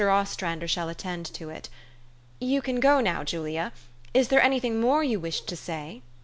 Ostrander shall attend to it. You can go now, Julia. Is there any thing more you wished to say